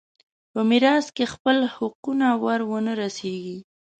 په میراث کې خپل حقونه ور ونه رسېږي.